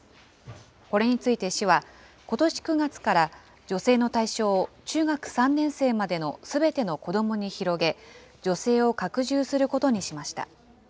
これについて市は、ことし９月から助成の対象を中学３年生までのすべての子どもに広げ、助成を拡充することにしました。